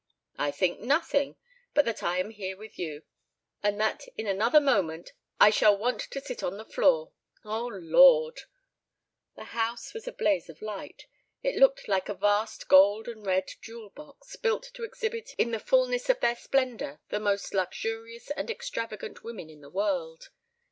"I think nothing, but that I am here with you and that in another moment I shall want to sit on the floor Oh, Lord!" The house was a blaze of light. It looked like a vast gold and red jewel box, built to exhibit in the fullness of their splendor the most luxurious and extravagant women in the world.